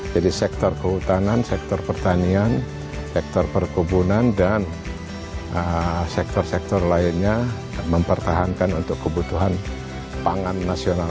jadi sektor kehutanan sektor pertanian sektor perkubunan dan sektor sektor lainnya mempertahankan untuk kebutuhan pangan nasional